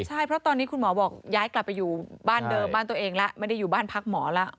ใช่เพราะตอนนี้คุณหมอบอกย้ายกลับไปอยู่บ้านเดิมบ้านตัวเองแล้วไม่ได้อยู่บ้านพักหมอแล้ว